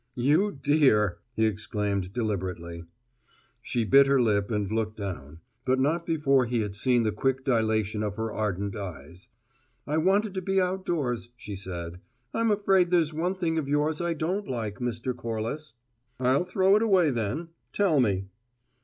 "You dear!" he exclaimed deliberately. She bit her lip and looked down, but not before he had seen the quick dilation of her ardent eyes. "I wanted to be out of doors," she said. "I'm afraid there's one thing of yours I don't like, Mr. Corliss." "I'll throw it away, then. Tell me."